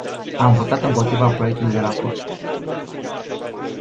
Am votat împotriva proiectului de raport..